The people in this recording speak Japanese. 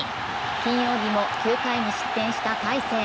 金曜日も９回に失点した大勢。